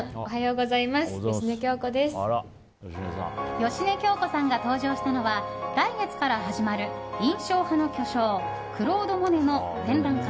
芳根京子さんが登場したのは来月から始まる印象派の巨匠クロード・モネの展覧会